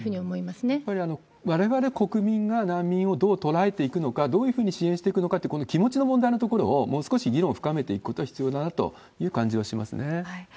やっぱりわれわれ国民が難民をどう捉えていくのか、どういうふうに支援していくのかという、この気持ちの問題のところをもう少し議論深めていくことが必要だなという感じはしますね。